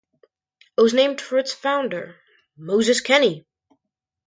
It was named for its founder, Moses Kenney.